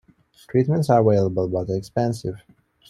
Treatments are available but expensive.